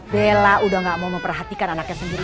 bella udah gak mau memperhatikan anaknya sendiri